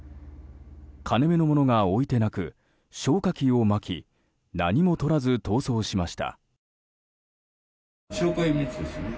金目のものが置いてなく消火器をまき何もとらず逃走しました。